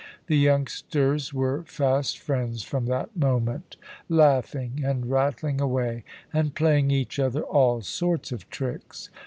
The youngsters were fast friends from that moment, laughing and rattling away, and playing each other all sorts of tricks.